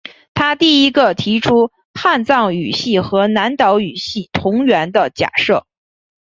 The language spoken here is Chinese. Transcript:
他第一个提出汉藏语系和南岛语系同源的假设。